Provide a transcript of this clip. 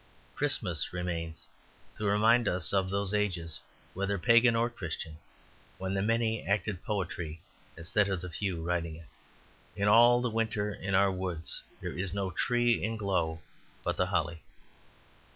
Christmas remains to remind us of those ages, whether Pagan or Christian, when the many acted poetry instead of the few writing it. In all the winter in our woods there is no tree in glow but the holly.